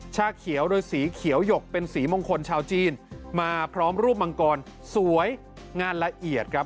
ชาเขียวหรือสีเขียวหยกเป็นสีมงคลชาวจีนมาพร้อมรูปมังกรสวยงามละเอียดครับ